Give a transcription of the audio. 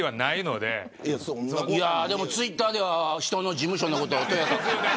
でも、ツイッターでは人の事務所のことをとやかく。